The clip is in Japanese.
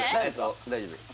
大丈夫ですか？